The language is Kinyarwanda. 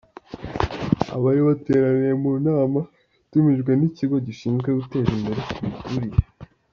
Abari bateraniye mu nama yatumijwe n’ikigo gishinzwe guteza imbere imiturire.